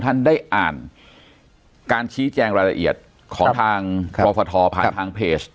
ท่านมรีสั่งพศผ่านทางเพจ